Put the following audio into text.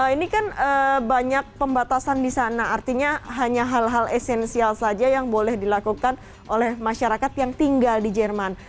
ini kan banyak pembatasan di sana artinya hanya hal hal esensial saja yang boleh dilakukan oleh masyarakat yang tinggal di jerman